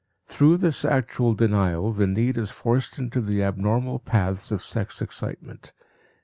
Through this actual denial the need is forced into the abnormal paths of sex excitement.